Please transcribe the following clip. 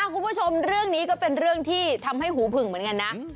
คุณผู้ชมเรื่องนี้ก็เป็นเรื่องที่ทำให้หูผึ่งเหมือนกันนะ